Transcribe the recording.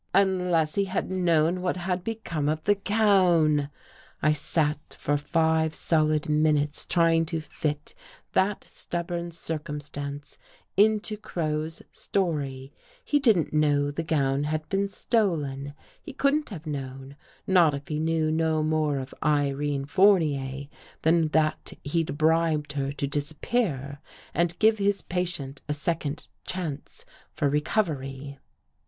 " Unless he had known what had become of the gown !" I sat for five solid minutes trying to fit that stubborn circumstance into Crow's story. He didn't know the gown had been stolen. He couldn't have known — not if he knew no more of Irene Fournier than that he'd bribed her to disap pear and give his patient a second chance for re covery.